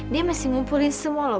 dia masih ngumpulin semua loh